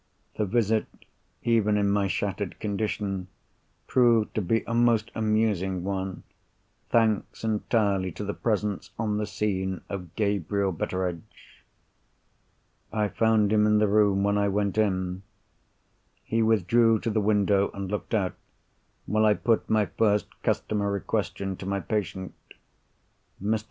The visit, even in my shattered condition, proved to be a most amusing one—thanks entirely to the presence on the scene of Gabriel Betteredge. I found him in the room, when I went in. He withdrew to the window and looked out, while I put my first customary question to my patient. Mr.